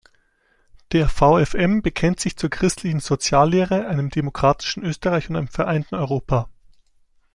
Der VfM bekennt sich zur christlichen Soziallehre, einem demokratischen Österreich und einem vereinten Europa.